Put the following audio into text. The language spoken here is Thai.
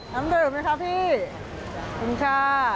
น้ำปลืมนะคะพี่ขอบคุณค่ะ